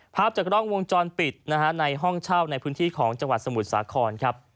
ภาพจากกล้องวงจรปิดนะฮะในห้องเช่าในพื้นที่ของจังหวัดสมุทรสาครครับ